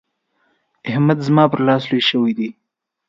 احمد زما پر لاس لوی شوی دی.